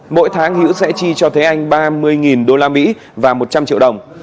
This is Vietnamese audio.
mỗi tháng hữu sẽ chi cho thế anh ba mươi usd và một trăm linh triệu đồng